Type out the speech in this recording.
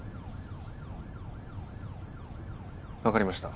分かりました